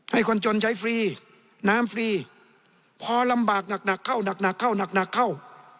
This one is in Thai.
ให้คนจนใช้ฟรีน้ำฟรีพอลำบากหนักเข้าหนักหนักเข้าหนักหนักเข้า